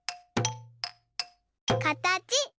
かたち。